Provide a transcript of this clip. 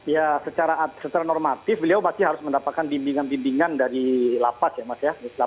ya secara normatif beliau pasti harus mendapatkan bimbingan bimbingan dari lapas ya mas ya